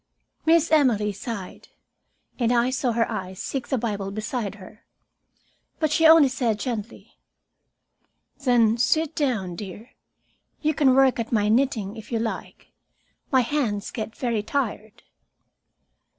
Miss Emily sighed, and I saw her eyes seek the Bible beside her. But she only said gently: "Then sit down, dear. You can work at my knitting if you like. My hands get very tired."